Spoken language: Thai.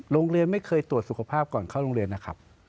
โรงเรียนไม่เคยตรวจสุขภาพก่อนเข้าโรงเรียนนะครับ